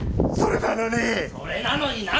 それなのに！